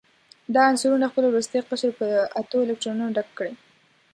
دا عنصرونه خپل وروستی قشر په اتو الکترونونو ډک کړي.